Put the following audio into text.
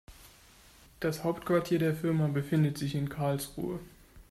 Das Hauptquartier der Firma befindet sich in Karlsruhe